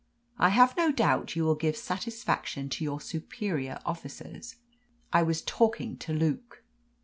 I have no doubt you will give satisfaction to your superior officers. I was talking to Luke."